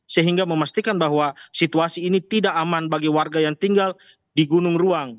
sehingga memastikan bahwa situasi ini tidak aman bagi warga yang tinggal di gunung ruang